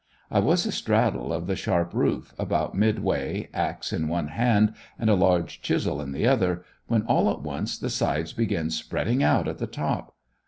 I was a straddle of the sharp roof, about midway, axe in one hand and a large chisel in the other, when all at once the sides began spreading out at the top.